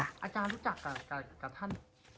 อาจารย์รู้จักกับท่าน